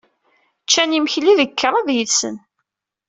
Ččan imekli deg kraḍ yid-sen.